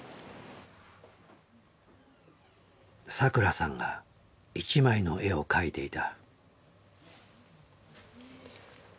さくらさんが一枚の絵を描いていた。